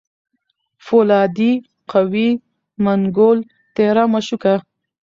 پولادي قوي منګول تېره مشوکه